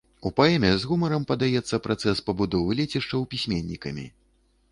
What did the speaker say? У паэме з гумарам падаецца працэс пабудовы лецішчаў пісьменнікамі.